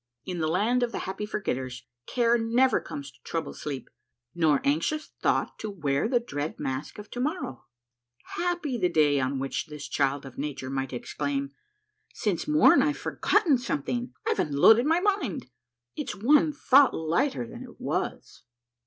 In the Land of the Happy Forgetters care never comes to trouble sleep, nor anxious thought to wear the dread mask of To morrow ! Happy the day on which this child of nature might exclaim : 2^8 A MARVELLOUS UNDERGROUND JOURNEY "Since morn I've forgotten something! I've unloaded my mind! It's one thought lighter than it was